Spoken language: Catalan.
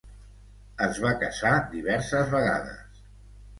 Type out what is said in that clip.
Es va casar diverses vegades.